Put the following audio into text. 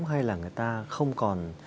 hay là người ta không còn